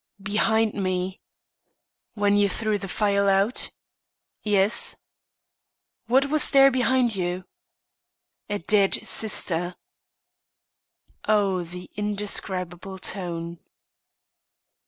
"Behind me." "When you threw the phial out?" "Yes." "What was there behind you?" "A dead sister." Oh, the indescribable tone!